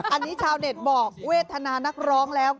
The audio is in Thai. อันนี้ชาวเน็ตบอกเวทนานักร้องแล้ว